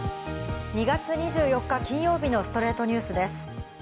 ２月２４日、金曜日の『ストレイトニュース』です。